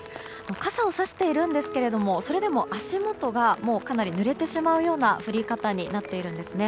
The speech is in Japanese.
傘をさしているんですがそれでも足元がかなりぬれてしまうような降り方になっているんですね。